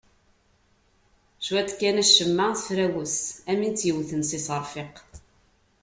Cwiṭ kan acemma, tefrawes, am win itt-yewten s yiṣerfiq.